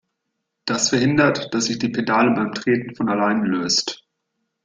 Das verhindert, dass sich die Pedale beim Treten von alleine löst.